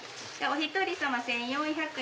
１人１４００円。